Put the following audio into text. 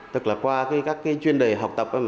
tức là qua các chuyên đề học tập